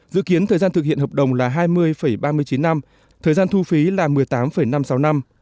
dự kiến thời gian thực hiện hợp đồng là hai mươi ba mươi chín năm thời gian thu phí là một mươi tám năm mươi sáu năm